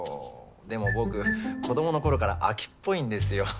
でも僕子供の頃から飽きっぽいんですよははっ。